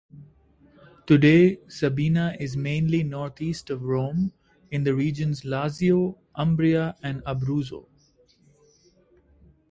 Today, Sabina is mainly northeast of Rome in the regions Lazio, Umbria and Abruzzo.